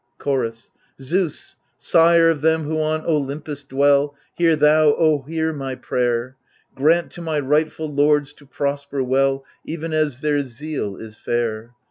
Chorus Zeus, sire of them who on Olympus dwell, Hear thou, O hear my prayer 1 Grant to my rightful lords to prosper well Even as their zeal is fair